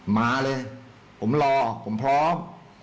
มาเลยผมรอผมพร้อม